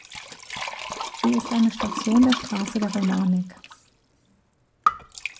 Sie ist eine Station der Straße der Romanik.